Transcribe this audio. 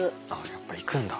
やっぱ行くんだ。